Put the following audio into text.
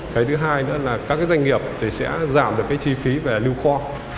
cái thứ hai nữa là các doanh nghiệp sẽ giảm được cái chi phí về lưu kho